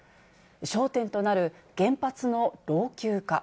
焦点となる原発の老朽化。